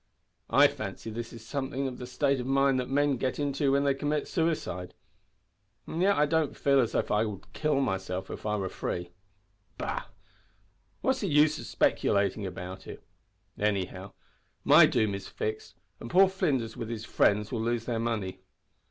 I fancy this is something of the state of mind that men get into when they commit suicide. And yet I don't feel as if I would kill myself if I were free. Bah! what's the use of speculating about it? Anyhow my doom is fixed, and poor Flinders with his friends will lose their money.